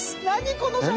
この写真。